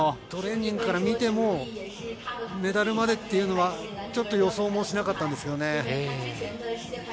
トレーニングから見てもメダルまでというのは予想もしなかったんですけどね。